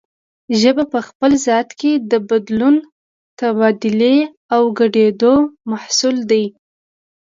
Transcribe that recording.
ژبه په خپل ذات کې د بدلون، تبادلې او ګډېدو محصول دی